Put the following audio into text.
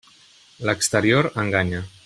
L'exterior enganya.